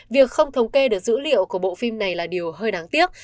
việc không thống kê được dữ liệu của bộ phim này là điều hơi đáng tiếc